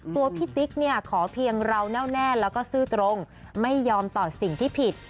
ตัวพี่ติ๊กเนี่ยขอเพียงเราแน่วแน่แล้วก็ซื่อตรงไม่ยอมต่อสิ่งที่ผิด